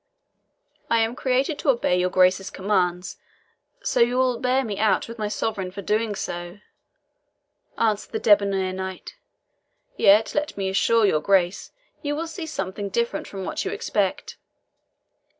"I am created to obey your Grace's commands, so you will bear me out with my Sovereign for doing so," answered the debonair knight. "Yet, let me assure your Grace you will see something different from what you expect."